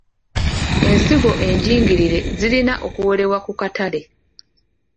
Ensigo enjingirire zirina okuwerebwa ku katale.